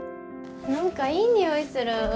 何かいい匂いする。